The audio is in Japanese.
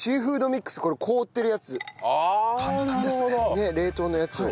ねえ冷凍のやつを。